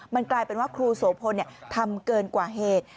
มันกลายเป็นว่าครูโสพลทำเกินกว่าเหตุ